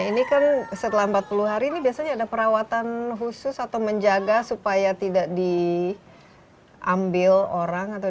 ini kan setelah empat puluh hari ini biasanya ada perawatan khusus atau menjaga supaya tidak diambil orang atau